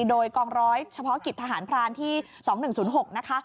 โดยกองร้อยเฉพาะกิจทหารพรานที่๒๑๐๖นะคะ